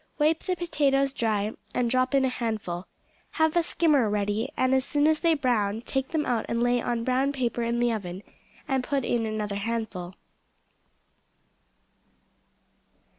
Wipe the potatoes dry and drop in a handful. Have a skimmer ready, and as soon as they brown take them out and lay on brown paper in the oven, and put in another handful.